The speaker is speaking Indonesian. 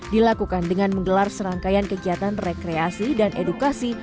dilakukan dengan menggelar serangkaian kegiatan rekreasi dan edukasi